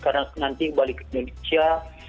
karena nanti balik ke indonesia